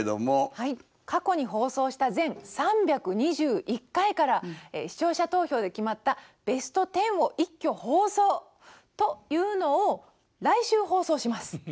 はい過去に放送した全３２１回から視聴者投票で決まったベスト１０を一挙放送というのを来週放送します。